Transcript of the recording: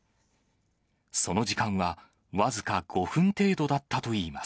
その時間は僅か５分程度だったといいます。